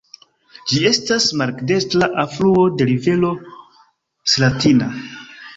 Ĝi estas maldekstra alfluo de rivero Slatina.